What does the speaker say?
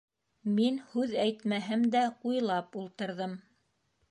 Мин, һүҙ әйтмәһәм дә, уйлап ултырҙым.